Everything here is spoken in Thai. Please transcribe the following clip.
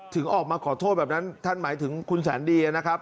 ออกมาขอโทษแบบนั้นท่านหมายถึงคุณแสนดีนะครับ